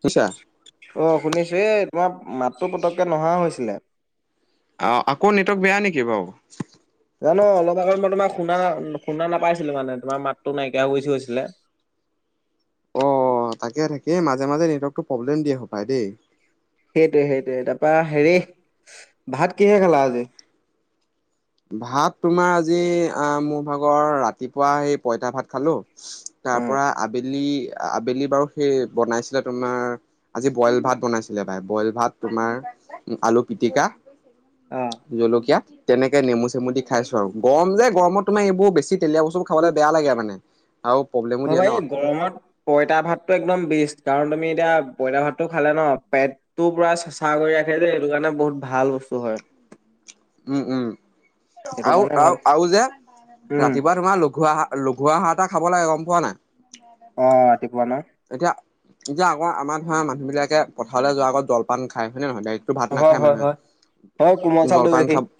শুনছা? অ শুনিছো এ তোমাৰ মাতটো পতককে নহা হৈছিলে অ আকৌ নেটৱৰ্ক বেয়া নেকি বাও? জানো অলপ আগত মই তোমাৰ শুনা শুনা নাপাইছিলো মানে তোমাৰ মাতটো নাইকিয়া হৈছি গৈছিলে অ তাকে থাকেই মাজে মাজে নেটৱৰ্কটো প্ৰব্লেম দিয়ে হপায় দেই সেইটোৱে সেইটোৱে তাৰপা হেৰি ভাত কিহেৰে খালা আজি? ভাত তোমাৰ আজি আ মোৰ ভাগৰ ৰাতিপুৱা সেই পইতা ভাত খালোঁ অ তাৰ পৰা আবেলি আবেলি বাৰু সেই বনাইছিলে তোমাৰ আজি বইল ভাত বনাইছিলে ভাই বইল ভাত তোমাৰ আলু পিটিকা জলকীয়া তেনেক কে নেমু চেমু দি খাইছো আউ গৰম যে গৰমত তোমাৰ এইবোৰ বেছি তেলিয়া বস্তুবোৰ খাব বেয়া লাগে মানে আও প্ৰব্লেম অ ভাই এ গৰমত পঁইতা ভাতটো একদম বেষ্ট কাৰণ তুমি এতিয়া পঁইতা ভাতটো খালে ন পেট তো পুৰা চেচাহ কৰি ৰাখে যে এইটো কাৰণে বহুত ভাল বস্তু হয় উম উম সেইটো আউ কাৰণে ভাল আউ আউ যে উম ৰাতিপুৱা তোমাৰ লঘু আহা লঘু আহাৰ এটা খাব লাগে গম পোৱা নাই অ ৰাতিপুৱা ন এতিয়া এতিয়া আকৌ আমাৰ ধৰ মানুহ বিলাকে পথাৰলৈ যোৱাৰ আগত জলপান খায় হয় নে নহয় দাইক টো ভাত হয় নেখায় হয় হয় হয় কোমল মানুহে চাউল দৈ জলপান গাখীৰ খাব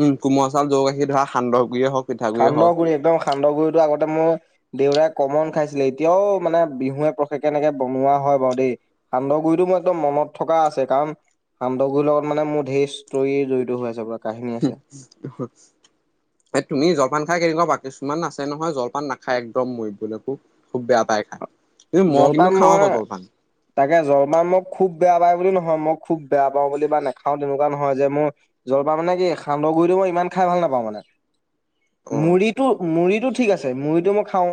উম কুমল চাউল গৌ গাখীৰ ধৰা সান্দগুৰিয়ে হওক পিঠাগুৰিয়ে সান্দহ হওক গুৰি একদম সান্দহ গুৰিটো আগতে মই দেউৰাই কমন খাইছিলে এতিয়াও মানে বিহুৱে প্ৰশেকে এনেকে বনোৱা হয় বাৰু দেই সান্দহ গুৰিটো মোৰ একদম মনত থকা আছে কাৰণ সান্দহ গুৰিৰ লগত মানে মোৰ ঢেৰ ষ্টৰি জড়িত হৈ আছে পুৰা কাহিনী হু আছে। হয় এ তুমি জলপান খাই কেনেকুৱা পোৱা কিছুমান আছে নহয় জলপান নাখায় একদম মৰিবলকো খুব বেয়া পায় খাই কিন্তু মই কিন্তু জলপান খাওঁ মই আক জলপান তাকে জলপান মোক খুব বেয়া পাওঁ বুলি নহয় মই খুব বেয়া পাওঁ বুলি বা নাখাও তেনেকুৱা নহয় যে মোৰ জলপান মানে কি সান্দহ গুৰিটো মই ইমান খাই ভাল নাপাওঁ মানে অ মুড়িটো মুড়িটো ঠিক আছে মুড়িটো মই খাওঁ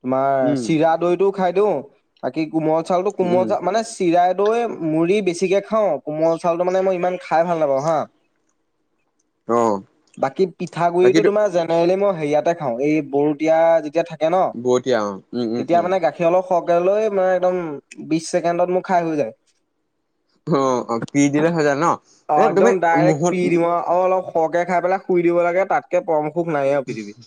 তোমাৰ উম চিৰা টো খাই দিওঁ বাকি কোমল চাউলতো কোমল উম চা মানে চিৰা দৈ মুড়ি বেছিকে খাওঁ কোমল চাউলটো মানে মই ইমান খাই ভাল নাপাওঁ হা অ [unintelligible] বাকী পিঠাগুৰিটো বাকীটো তোমাৰ জেনেৰেলি মই হেৰিয়াতে খাঁও এই বৰো দিয়া যেতিয়া থাকে থাকে ন বতিয়া অ উম উম তেতিয়া উম মানে গাখীৰ গাখীৰ অলপ হৰকে‌ লৈ মানে একদম বিশ ছেকেণ্ডত মোৰ খাই হৈ যায় অ পি দিলে হৈ যায় ন অ এ তুমি একদম ডাইৰেক্ট পি মুহত দিব অলপ সৰকে খাই পেলাই শুই দিব লাগে তাতকে পৰমসুখ নাইয়ে আৰু পৃথিৱীত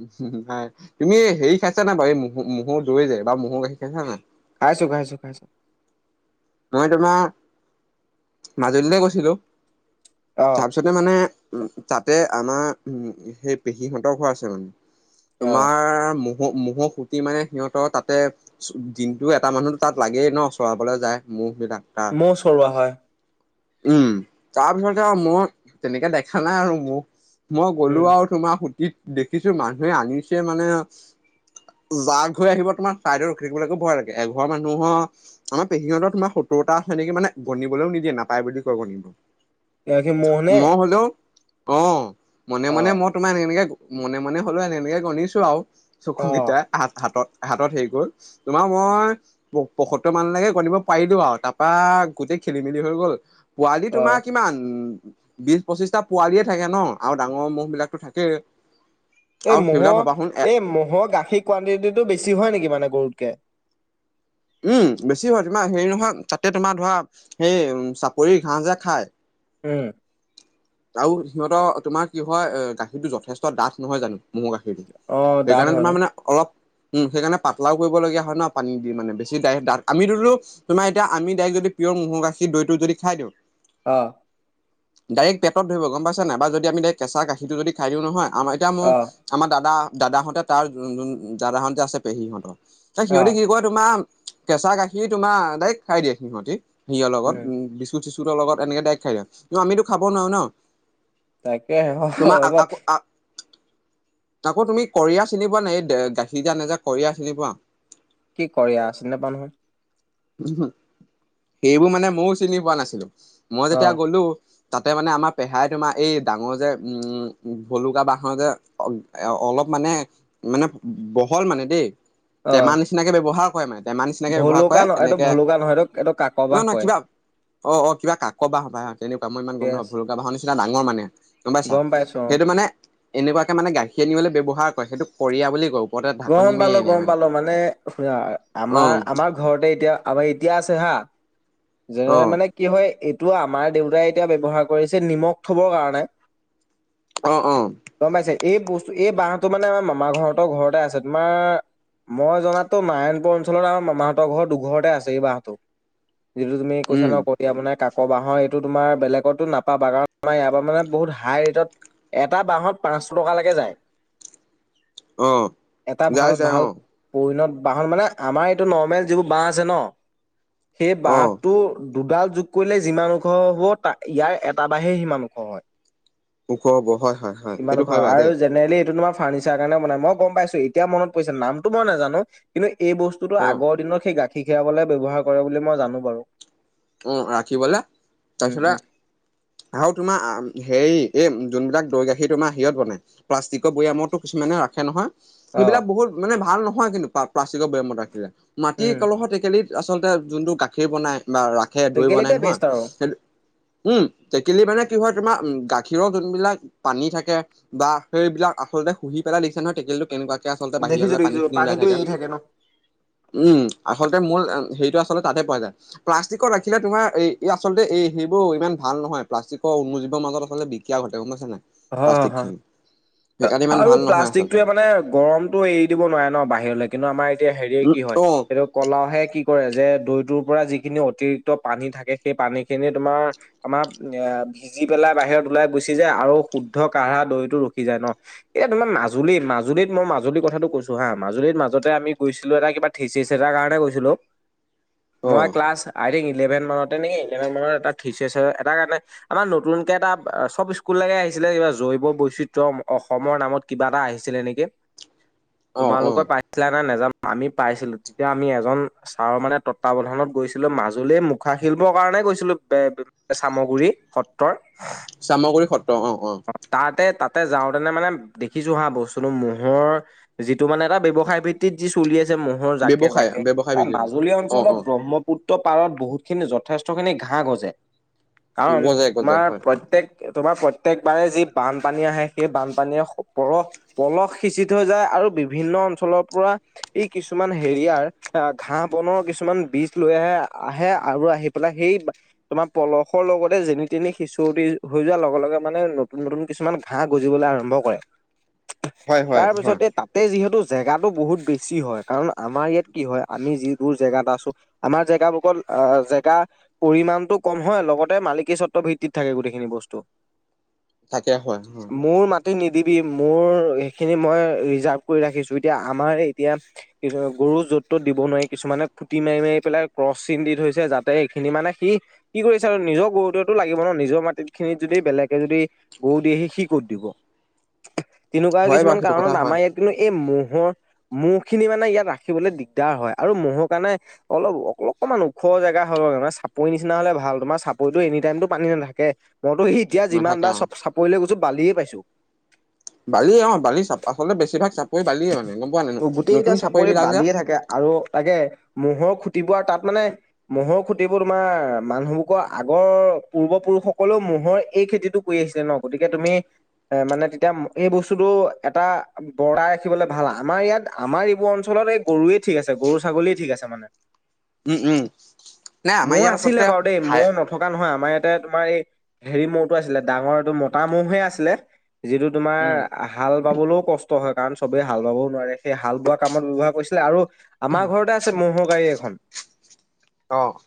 উম হুম হয় তুমি হেৰি খাইছা নে বাৰু এই ম মহৰ দৈ যে বা ম'হৰ গাখীৰ খাইছা নাই খাইছো খাইছো খাইছো মই তোমাৰ মাজুলীলৈ গৈছিলো অ তাৰপিছত মানে উ তাতে আমাৰ উম সেই পেহীহঁতৰ ঘৰ আছে মানে অ তোমাৰ মু ম মহৰ খুটি মানে সিহঁতৰ তাতে দিনটো এটা মানুহো তাত লাগেই ন চৰাবলে যায় [unintelligible] মহ চৰোৱা হয় উম তাৰপিছতে আৰু মই তেনেকে দেখা নাই আৰু মহ মই গ'লো উম আৰু তোমাৰ সুতিত দেখিছো মানুহে আনিছে মানে যা ঘৈয়ে আহিব তোমাৰ ছাইডত ৰখি থাকিবলৈকো ভয় লাগে এঘৰ মানুহৰ আমাৰ পেহিহতৰ তোমাৰ সত্তৰটা আছে নেকি মানে গনিবলৈও নিদিয়ে নাপায় বুলি কয় গনিব সি ম'হ নে মই হলেও অ মনে অ মনে মত তোমাৰ এনেকে এনেকে মনে মনে হ'লও এনেকে এনেকে গণিছো আৱ চকু অ কেইটা হা হাতত হাতত হেৰি গ'ল তোমাৰ মই পয়সত্তৰ মানলৈকে গনিব পাৰিলো আৱ তাৰপা গোটেই খেলি মেলি হৈ গল পোৱালি তোমাৰ অ কিমান বিশ পঁচিশটা পোৱালিয়ে থাকে ন আৰু ডাঙৰ মহ বিলাকো থাকেই এই আৰু সেইবিলাক ভাবাচোন এ ম'হৰ এই ম'হৰ গাখীৰ কোৱানটিটিটো বেছি হয় নেকি মানে গৰুতকে উম বেছি হয় তোমাৰ হেৰি নহয় তাতে তোমাৰ ধৰা সেই চাপৰি ঘাঁহ যে খায় উম আৰু সিহঁতৰ তোমাৰ কি হয় গাখীৰতো যথেষ্ট ডাঠ নহয় জানো মহৰ গাখীৰ সেইটো অ' দাঁত সেইকাৰণে হয় ন? তোমাৰ মানে অলপ উম সেইকাৰণে পাতলাও কৰিবলগীয়া হয় ন পানী দি মানে বেছি ডাঠ আমিতো তো তোমাৰ এতিয়া আমি ডাইৰেক্ট যদি প্ৰিয়ৰ ম'হৰ গাখীৰ দৈটো যদি খাই দিওঁ অ ডাইৰেক্ট পেটত ধৰিব গম পাইছা নাই যদি আমি ডাইৰেক্ট কেঁচা গাখীৰটো যদি খাই দিওঁ নহয় আমাৰ এতিয়া মোৰ অ' আমাৰ দাদা দাদাহঁতে তাৰ দাদাহত যে আছে পেহীহঁতৰ ত সিহঁতি অ' কি কয় তোমাৰ কেঁচা গাখীৰ তোমাৰ ডাইৰেক্ট খাই দিয়ে সিহঁতি হেৰিয়ৰ লগত উম বিচ চ চি চুৰৰ লগত এনেকে দাইক খাই য কিন্তু আমিতো খাব নোৱাৰো ন তাকেহে তমা হয় বাৰু আকৌ [unintelligible] আকৌ তুমি কয়া চিনি পোৱা নাই এই গাখীৰ যা নেযা কয়া চিনি পোৱা? কি কৰিয়া চিনি নাপাও নহয়। সেইবোৰ মানে ময়ও চিনি পোৱা নাছিলো মই যেতিয়া অ' গ'লো তাতে মানে আমাৰ পেহাই তোমাৰ এই ডাঙৰ যে উম ভলুকা বাঁহৰ যে অলপ মানে মানে বহল মানে দেই টেমা অ' নিচিনাকে ব্যৱহাৰ কৰে মানে। টেমাৰ নিচিনাকৈ ব্যৱহাৰ ভলুকা কৰে ন এইটো তেনেকে ভলুকা নহয় এইটো এইটো কাকবাহ নহয় নহয় কয়। কিবা। অ' অ' কিবা কাক বাহ সপাই তেনেকুৱা। মই ইমান গম নাপাও য়েছ ভুলকা বাঁহৰ নিচিনা ডাঙৰ মানে গম পাইছা পাইছো অ'। সেইটো মানে। এনেকুৱাকে মানে গাখীৰ আনিবলৈ ব্যৱহাৰ কৰে সেইটো কয়া বুলি কওঁ। গম পালো, গম পালো মানে শুনা অ আমাৰ আমাৰ ঘৰতে এতিয়া আমাৰ এতিয়া আছে হা, অ যেনে মানে কি হয় এইটো আমাৰ দেউতাই এতিয়া ব্যৱহাৰ কৰিছে নিমখ থবৰ কাৰণে। অ' অ'। গম পাইছে এই বস্তু এই বাঁহটো মানে আমাৰ মামাৰ ঘৰতৰ ঘৰতে আছে তোমাৰ। মই জনাত তো নাৰায়ণপুৰ অঞ্চলত আমাৰ মামাহঁতৰ ঘৰ দুঘৰতে আছে এই বাহহটো। যিটো তুমি কৈছা উম ন এতিয়া মানে কাকৰ বাঁহৰ এইটো তোমাৰ বেলেগতো নাপাবা, কাৰণাৰ ইয়াৰ পৰা মানে বহুত হাই ৰেটত এটা বাঁহত পাঁচশ টকালৈকে যায়। অঁ। এটা ভাল ভাল পৰিণত বাহন মানে আমাৰ এইটো নৰ্মেল যিবোৰ বাহ আছে ন। সেই অ বাঁহটো। দুডাল যোগ কৰিলে যিমান ওখ হ'ব, ত' ইয়াৰ এটা বাহে সিমান ওখ হয়। ওখ হ'ব হয় হয় হয় ইমান সেইটো ওখ হয় বাৰু আৰু দেই জেনেৰেলি এইটো তোমাৰ। ফাৰণিচাৰ কাৰণে বনাই মই গম পাইছো এতিয়া মনত পৰিছে নামটো মই নাজানো কিন্তু এই বস্তু। বস্তুতো উম আগৰ দিনত সেই গাখীৰ খীৰাবলৈ ব্যৱহাৰ কৰে বুলি মই জানো বাৰু। উম ৰাখিবলে উম তাৰপিছতেই। উম আৰু তোমাৰ হেৰি এই যোনবিলাক দৈ গাখীৰ তোমাৰ হিৰত বনাই। প্লাষ্টিকৰ বৈয়ামতো কিছুমানে ৰাখে নহয়। অ সেইবিলাক বহুত মানে ভাল নহয় কিন্তু প্লাষ্টিকৰ বেয়ামত ৰাখিলে মাটি উম কলহৰ টেকেলি। আচলতে যোনটো গাখীৰ বনায় বা ৰাসে দৈ বনায় টেকেলিতে নহয় বেষ্ট আৰু উম, টেকেলি মানে কি হয় তোমাৰ গাখীৰৰ যোনবিলাক পানী থাকে। বা সেইবিলাক আচলতে শুহি পেলাই দিছে নহয় তেকেলতটো কেনেকুৱা। তেতিয়া আচলতে দেখিছো বাহিৰলৈ পানী দেখিছো খিনি ওলাই পানীটো থাকে। এৰি ন উম, আচলতে মোৰ হেৰিটো আচলতে তাতে পোৱা যায়। প্লষ্টিকৰ ৰাখিলে তোম এই আচলতে এই সেইবোৰ ইমান ভাল নহয় প্লাষ্টিকৰ উন্মোীৱৰ মাজত আচলতে বিকীয়া ঘটে গম নাইছা নাই? অ' প্লাষ্টিক হয় খিনি সেইকাৰণে ইমান আৰু ভাল নহয় আচলতে প্লাষ্টিকটোৱে মানে গৰমতটো এই দিব নোৱাৰে ন বাহিৰলৈ কিন্তু আমাৰ এতিয়া হেৰিয়ে উম, কি হয় অ', এইটো কলহে কি কৰে যে দৈটোৰ পৰা যিখিনি অতিৰিক্ত পানী থাকে সেই পানী খিনি তোমাৰ। আমাৰ এ' ভিজি পেলাই বাহিৰত ওলাই গুচি যায় আৰু শুদ্ধ কাঢ়া দৈটো ৰখি যায় ন। এতিয়া তোমাৰ মাজুলী- মাজুলীত মই মাজুলীৰ কথাটো কৈছো হা মাজুলীত মাজতে আমি গৈছিলো এটা কিবা। থিচিকচ এটাৰ কাৰণে কৈছিলোঁ মই অ', ক্লাছ। [inaudible] আই থিংক ইলেভন মানতে নেকি ইলেভেন মানত এটা থিচেছ এটা কাৰণে। আমাৰ নতুনকে এটা চব স্কুল লাগে আহি ছিলে কিবা জৈৱ বৈচিত্ৰয় অসমৰ নামত কিবা এটা আহিছিলে নেকি। অ', অ', তোমালোকৰ পাইছিলা নে নোজানো আমি পাইছিলো তেতিয়া আমি এজন। ছাৰ মানে তত্বাৱধানত গৈছিলো মাজুলীয়ে মুখা শিলিবৰ কাৰণে গৈছিলো বে চামগুৰি সত্ৰৰ। চামগুৰি সত্ৰ অঁ' অঁ'। তাতে তাতে যাওঁতেনে মানে দেখিছো হা বস্তুটো মহৰ। যিটো মানে এটা ব্যৱসায় ভিত্তিত যি চলি আছে ম হৰ জাকে ব্যৱসায় জাকে ব্যৱসায় ভিত্তিটো মাজুলী অ', অঞ্চলত অ', ব্ৰহ্ম পুত্ৰ পাৰত বহুতখিনি যথেষ্টখিনি ঘাঁহ গজে কাৰণ গজাই গজাই আমাৰ হয়, প্ৰত্যেক তোমাৰ প্ৰত্যেকবাৰেই যি বানপানী আহে সেই বানপানীয়ে পলশ পলস সিঁচি থৈ যায় আৰু বিভিন্ন অঞ্চলৰ পৰা। ই কিছুমান হেৰিয়াৰ ঘাঁহ বনৰ কিছুমান বীজ লৈ আহে আহে আৰু আহি সেই তোমাৰ পলসৰ লগতে যেনি তেনি সিচুৱটি হৈ যোৱা লগে লগে মানে নতুন নতুন কিছুমান ঘাঁহ গজিবলৈ আৰম্ভ কৰে হয়, হয়, তাৰ হয়, পিছতে তাতে যিহেতু জেগাটো বহুত বেছি হয় কাৰণ আমাৰ ইয়াত কি হয় আমি যিবোৰ জেগাত আছো। আমাৰ জেগাসকল আহ জেগা। পৰিমাণতটো কম হয় লগতে মালিকী স্বত্বৰ ভিত্তিত থাকে গোটেইখিনি বস্তু। থাকে হয়। হয়, মোৰ মাটি নিদিবি মোৰ সেইখিনি মই ৰিজাৰ্ভ কৰি ৰাখিছো এতিয়া আমাৰ এতিয়া কিছু গৰু য'ত তত দিব নোৱাৰি কিছুমানে ফুটি মাৰি মাৰি পেলাই ক্ৰ চিন দি থৈছে যাতে এইখিনি মানে সি। কি কৰিছা নিজৰ গৰুতোৱে লাগিব ন নিজৰ মাটি খিনিত যদি বেলেগ যদি গৰু দিয়ে সি সি কত দিব তেনেকুৱা হয় বাৰু কিছুমান সেইটো কথা কাৰণত হয়, আমাৰ ইয়াত। কিন্তু এই ম'হৰ মহ খিনি মানে ইয়াত ৰাখিবলৈ দিগদাৰ হয় আৰু ম'হৰ কাৰণে। অলপ অকণমান ওখ জেগা হ'ল মানে চাপৰি নিচিনা হলে ভাল তোমাৰ চাপৰিটো এনি টাইমতটো পানী নাথাকে। মইতো সি এতিয়া যিমান নাথাকে বাৰ অ'। চপ চাপৰিলে গৈছো বালিয়ে পাইছো। বালিয়ে অঁ' বালি চাপ আচলতে বেছিভাগ চাপৰি বালিয়ে মানে গম পোৱা নাই গোটেই ন কেইটা নতুন চাপৰি বিলাক যে। বালিয়ে থাকে আৰু তাকে। ম'হৰ খুটিবো আৰু তাত মানে ম'হৰ খুটিবোৰ তোমাৰ মানুহবোৰক আগৰ পূৰ্বপুৰুষসকলেও ম'হৰে। এই খেতিটো কৰি আহিছিলে ন গতিকে তুমি এ মানে তেতিয়া এই বস্তুটো এটা। বৰদাই ৰাখিবলৈ ভাল আমাৰ ইয়াত আমাৰ এইবোৰ অঞ্চলত এই গৰুৱে ঠিক আছে গৰু ছাগলীয়ে ঠিক আছে মানে। উম, উম, নাই আমাৰ মহ ইয়াত আছিলে আচলতে বাৰু দেই ঠাই মহ নথ নথকা নহয় আমাৰ ইয়াতে তোমাৰ এই হেৰি মহ টো আছিলে ডাঙৰ এইটো মতা মহহে আছিলে। যিটো তোমাৰ উম। হাল হাল বাবলৈও কষ্ট হয় কাৰণ চবেই হাল বাবও নোৱাৰে সেই হাল বোৱা কামত ব্যৱহাৰ কৰিছিলে আৰু আমাৰ ঘৰতে আ আছে মহৰ গাড়ী এখন। অঁ'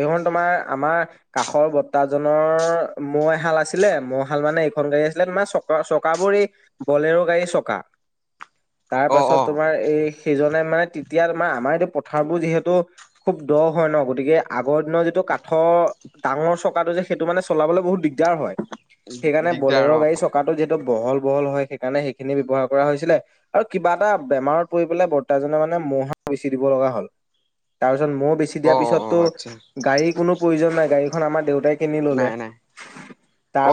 এইখন তোমাৰ আমাৰ কাষৰ বৰদেউতা জনৰ। মহ এহাল আছিলে মহ হাল মানে এইখন গাড়ী আছিলে তোমাৰ চকা চকাবোৰ এই বলেৰো গাড়ী চকা তাৰ অ পাছত অ তোমাৰ এই। সেইজনে মানে তেতিয়া তোমাৰ আমাৰ এতিয়া পথাৰবোৰ যিহেতু। খুব দ হয় ন গতিকে আগৰ দিনৰ যিটো কাঠৰ ডাঙৰ চকাটো যে সেইটো মানে চলাবলৈ বহুত দিগদাৰ হয় সেইকৰণে দিগদাৰ বলাৰো অ গাড়ী চকা। চকাটো যিহেতু বহল বহল হয় সেইকাৰণে সেইখিনি ব্যৱহাৰ কৰা হৈছিলে। আৰু কিবা এটা বেমাৰত পৰি পেলাই বৰ্তাজনে মানে মহ হাল বেছি দিব লগা হ'ল। তাৰপিছত ময়ো বেছি অ অ দিয়াৰ অ পিছততো আচ্ছা গাড়ীৰ কোনো প্ৰয়োজন নাই গাড়ীখন আমাৰ দেউতাই কিনি ললে। নাই নাই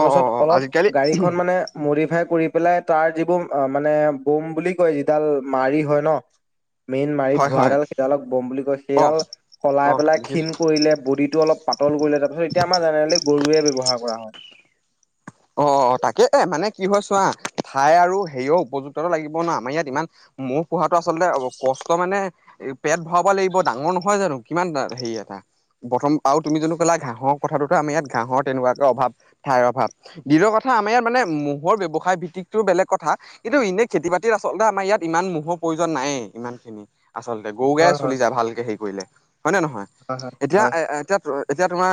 অ অ অ অলপ আজিকালি গড়ী খন মা নে মডিফাই কৰি পেলাই তাৰ যিবোৰ অ মানে বোম বুলি কয় যিডাল মাৰি হয় ন মেইন মাৰি হয় হয় ধোৱাডাল সেইডালক বম বুলি কয় অ সেইডাল অ সলাই পেলাই দেখিছো ক্ষীণ কৰিলে বডি টো অলপ পাত তল কৰিলে তাৰপিছত এতিয়া আমাৰ জেনেৰেলি গৰুৱে ব্যৱহাৰ কৰা হয়। অ অ তাকে এ মানে কি হয় চোৱা ঠাই আৰু সেয়ও উপযুক্তটো লাগিব না আমাৰ ইয়াত ইমান মোৰ পঢ়াটো আচলতে অ কষ্ট মানে পেট ভৰাব লাগিব ডাঙৰ নহয় জানো কিমান টান হেৰি এটা প্ৰথম আৰু তুমি যানো ক'লা ঘাঁহৰ কথাটোতো আমাৰ ইয়াত ঘাঁহৰ তেনেকুৱাকে অভাৱ ঠাইৰ অভাৱ। দ্বিতীয় কথা আমাৰ ইয়াত মানে মহৰ ব্যৱসায় ভিত্তিকটো বেলেগ কথা। কিন্তু এনেই খেতি-বাতিত আচলতে আমাৰ ইয়াত ইমান মহৰ প্ৰয়োজন নাইয়ে ইমান খিনি। আচলতে গৰু গায়ে হয় হয় চলি যায় ভালকে হেৰি কৰিলে হয় নে নহয় হয় হয় এতিয়া হয় এ এ এতিয়া এতিয়া তোমাৰ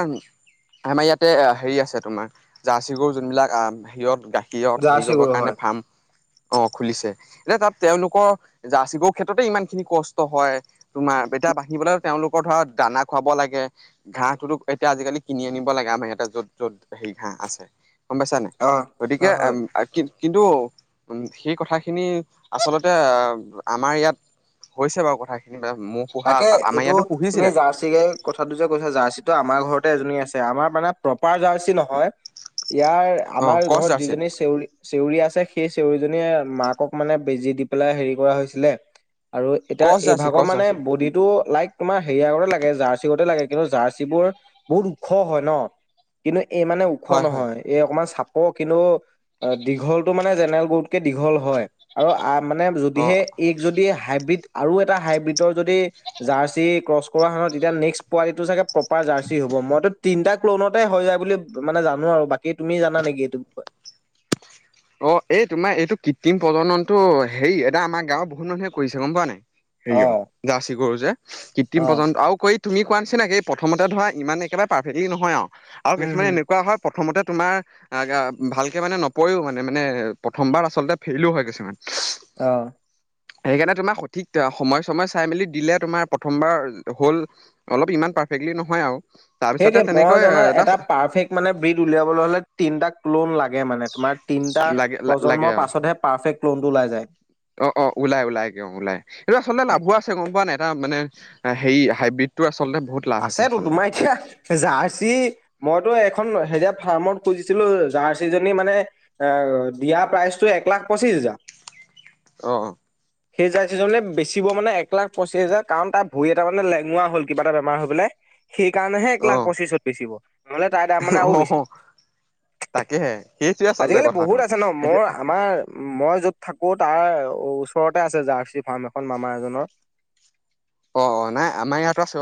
আমাৰ ইয়াতে হেৰি আছে তোমাৰ জাৰ্চি গৰু যোনবিলাক আ হেৰিয়ত গাখীৰত হেৰি জাৰ্চি কৰিবৰ গৰু কাৰণে হয় ফাৰ্ম অ খুলিছে যে তাত তেওঁলোকৰ জাৰ্চী গৰু ক্ষেত্ৰতে ইমান খিনি কষ্ট হয়। তোমাৰ [unintelligible] বাঢ়িবলৈ তেওঁলোকৰ ধৰা দানা খুৱাব লাগে। ঘাঁহটোতো এতিয়া আজি-কালি কিনি আনিব লাগে আমাৰ এয়াতে য'ত য'ত হেৰি ঘাঁহ আছে গম পাইছা নাই অ গতিকে হয় হয় এম আ কি কিন্তু সেই কথাখিনি আচলতে আমাৰ ইয়াত কৈছে বাৰু কথাখিনি বা মোক তাকে এইটো তুমি যাৰ্চ গতিকে কথাটো যে কৈছে জাৰ্চিটো আমাৰ ঘৰতে এজনী আছে আমাৰ মানে প্ৰপাৰ জাৰ্চি নহয় ইয়াৰ অ আমাৰ ক্ৰছ ঘৰত জাৰ্চি যিজনী চেউৰি চেউৰি আছে সেই চেউৰিজনীয়ে মাকক মানে বেজি দি পেলাই হেৰি কৰা হৈছিলে আৰু এতিয়া ক্ৰছ জাৰ্চি এইভাগ ক্ৰছ মানে জাৰ্চি [unintelligible] লাইক তোমাৰ হেৰিয়া গতে লাগে জাৰ্চিগতে লাগে কিন্তু জাৰ্চিবোৰ বহুত ওখ হয় ন কিন্তু এই মানে ও খ হয় হয় নহয় এই অকমান চাপ কিন্তু দীঘলটো মানে জেনেল গৰুতকে দীঘল হয়। আৰু আ মানে অ যদিহে এইক যদি হাইব্ৰীড আৰু এটা হাইব্ৰীডৰ যদি জাৰ্চি ক্ৰছ কৰা হ'ব তেতিয়া নেক্স পোৱালিটো চাগে প্ৰপাৰ জাৰ্চি হ'ব মইতো তিনিটা ক্লোনতে হৈ যায় বুলি মানে জানো আৰু বাকী তুমি জানা নেকি এইটো বিষয়ে অ এই তোমাৰ এইটো কৃত্ৰিম প্ৰজননটো হেৰি এটা আমাৰ গাঁওৰ বহুত মানুহে কৰিছে গম পোৱা নাই অ হেৰিয় জাৰ্চি গৰু যে আকৌ জাৰ্চি গৰু যে কৃত্ৰিম অ পৰ্যন্ত আৰু ক এইত তুমি কোৱা নিচিনা একে প্ৰথমতে ধৰা ইমান একেবাৰে পাৰফেক্টি নহয় আৰু আৰু উম কিছুমানে হম এনেকুৱা হয় প্ৰথমতে তোমাৰ আ গা ভালকে মানে নপৰেও মা নাই মানে প্ৰথমবাৰ আচলতে ফেইলো হয় কিছুমান। অ সেইকাৰণে তোমাৰ সঠিক সময় ছময় চাই মেলি দিলে তোমাৰ প্ৰথমবাৰ হ'ল অলপ ইমান পাৰফেক্টলি নহয় আৰু। তাৰপিছতে সেইটোৱে মই তেনেকৈ জনা এটা পাৰফেক্ট মানে ব্ৰীড উলিয়াবলৈ হ'লে তিনটা ক্লোন লাগে মানে তোমাৰ তিনিটা লাগে লাগে প্ৰজন্মৰ আৰু পাছতহে পাৰ্ফেক্ট ক্লোনটো ওলাই যায়। অ অ ওলাই ওলাই গে ওলাই এইটো আচলতে লাভো আছে গম পোৱা নাই এটা মানে আহ' সেই হাইব্ৰীডটো আচলতে বহুত লাভ আছে আছেতো, আচলতে তোমাৰ এতিয়া জাৰ্চি, মইতো এখন হেৰিয়া ফাৰ্মত খুজিছিলো জাৰ্চি জনী মানে এ দিয়া প্ৰাইচটো এক লাখ পঁচিশ হাজাৰ। অহ-অহ', সেই জাৰ্চীজনে বেচিব মানে এক লাখ পঁচিছ হাজাৰ কাৰণ তাৰ ভৰি এটা মানে লেঙোৱা হ'ল কিবা বেমাৰ হৈ পেলাই সেইকাৰণেহে এক অ লাখ পঁচিছত বেচিব, নহ'লে তাই তাৰ মানে আৰু অ বেছি অ তাকেহে সেইটোৱে আচলতে আজিকালি কথাটো বহুত আছে ন' মোৰ এতিয়া আমাৰ মই য'ত থাকো তাৰ ওচৰতে আছে জাৰ্চি ফাৰ্ম এখন মামা এজনৰ। অহ- অহ', নাই আমাৰ ইয়াতো আছে